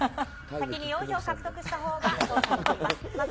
先に４票獲得したほうが勝者となります。